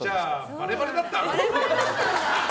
バレバレでした。